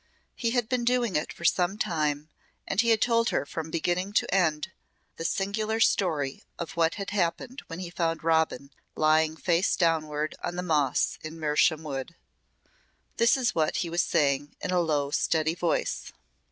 He had been doing it for some time and he had told her from beginning to end the singular story of what had happened when he found Robin lying face downward on the moss in Mersham Wood. This is what he was saying in a low, steady voice.